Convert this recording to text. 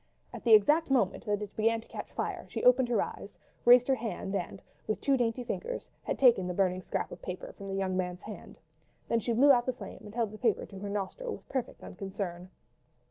At the exact moment that it began to catch fire, she opened her eyes, raised her hand and, with two dainty fingers, had taken the burning scrap of paper from the young man's hand. Then she blew out the flame, and held the paper to her nostril with perfect unconcern.